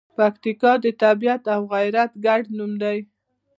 پکتیکا د طبیعت او غیرت ګډ نوم دی.